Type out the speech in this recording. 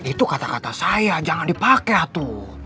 itu kata kata saya jangan dipake atuh